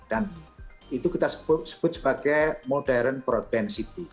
dan itu kita sebut sebagai modern broadband city